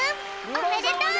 おめでとう！